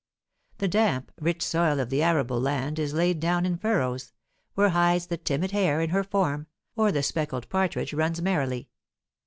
The damp, rich soil of the arable land is laid down in furrows, where hides the timid hare in her form, or the speckled partridge runs merrily.